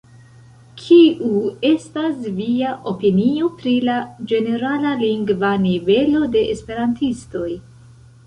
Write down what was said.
Kiu estas via opinio pri la ĝenerala lingva nivelo de esperantistoj?